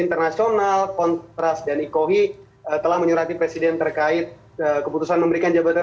internasional kontras dan ikohi telah menyurati presiden terkait keputusan memberikan jabatan